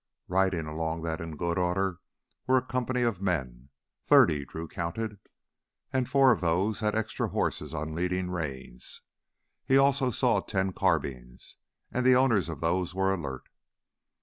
Riding along that in good order were a company of men thirty, Drew counted. And four of those had extra horses on leading reins. He also saw ten carbines ... and the owners of those were alert.